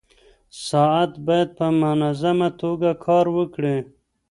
ساعت باید په منظمه توګه کار وکړي.